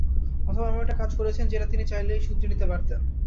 অথবা এমন একটা কাজ করেছেন, যেটা তিনি চাইলেই শুধরে নিতে পারতেন।